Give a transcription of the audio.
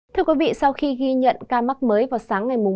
thưa quý vị sau khi ghi nhận ca mắc mới vào sáng ngày bốn